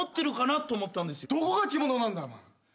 どこが着物なんだよお前。